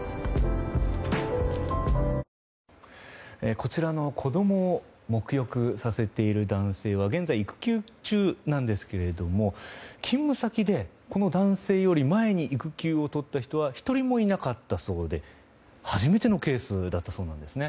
こちらの子供を沐浴させている男性は現在、育休中なんですけれども勤務先で、この男性より前に育休を取った人は１人もいなかったそうで初めてのケースだったそうですね。